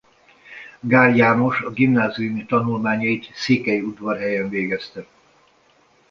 Gál János a gimnáziumi tanulmányait Székelyudvarhelyen végezte.